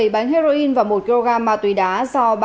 bảy bánh heroin và một kg ma túy đá do